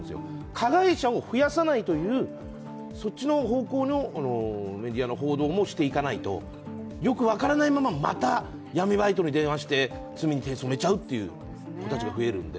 加害者を増やさないという、そっちの方向のメディアの報道もしていかないとよく分からないまままた闇バイトに電話して罪に手を染めちゃうっていう子たちが増えるんで。